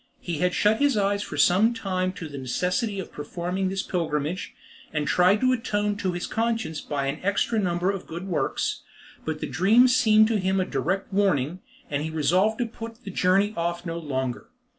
He had shut his eyes for some time to the necessity of performing this pilgrimage, and tried to atone to his conscience by an extra number of good works, but the dream seemed to him a direct warning, and he resolved to put the journey off no longer.